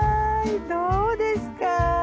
どうですか。